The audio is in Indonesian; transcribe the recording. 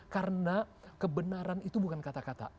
karena kebenaran itu bukan kata kata